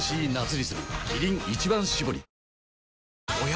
キリン「一番搾り」おや？